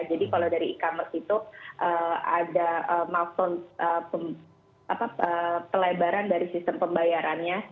jadi kalau dari e commerce itu ada pelabaran dari sistem pembayarannya